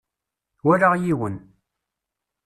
Walaɣ yiwen.